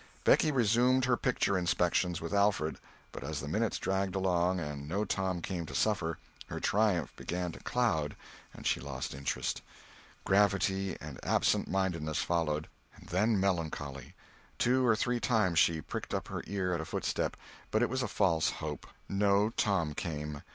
Becky resumed her picture inspections with Alfred, but as the minutes dragged along and no Tom came to suffer, her triumph began to cloud and she lost interest; gravity and absentmindedness followed, and then melancholy; two or three times she pricked up her ear at a footstep, but it was a false hope; no Tom came.